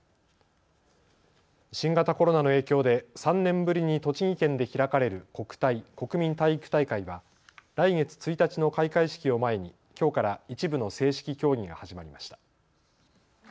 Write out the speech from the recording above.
新型コロナの影響で３年ぶりに栃木県で開かれる国体、国民体育大会は来月１日の開会式を前にきょうから一部の正式競技が始まりました。